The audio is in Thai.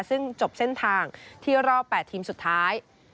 ซึ่งจบเส้นทางที่รอบ๘ทีมสุดท้าย